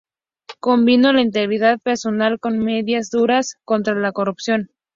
Combinó la integridad personal con medidas muy duras contra la corrupción.